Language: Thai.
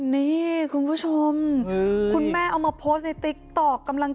นี่คุณผู้ชมคุณแม่เอามาโพสต์ในติ๊กต๊อกกำลัง